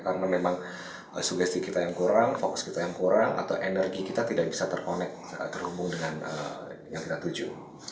karena memang sugesti kita yang kurang fokus kita yang kurang atau energi kita tidak bisa terhubung dengan yang kita tuju